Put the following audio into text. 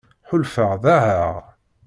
Ḥulfaɣ ḍaεeɣ.